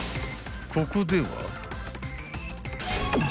［ここでは］